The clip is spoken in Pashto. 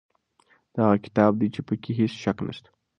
دا هغه کتاب دی چې په کې هیڅ شک نشته.